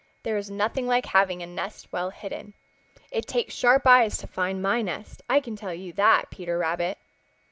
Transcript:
There is nothing like having a nest well hidden. It takes sharp eyes to find my nest, I can tell you that, Peter Rabbit."